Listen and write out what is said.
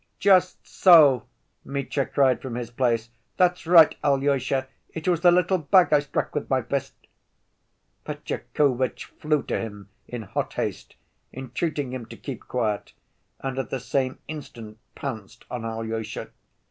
"Just so," Mitya cried from his place. "That's right, Alyosha, it was the little bag I struck with my fist." Fetyukovitch flew to him in hot haste entreating him to keep quiet, and at the same instant pounced on Alyosha.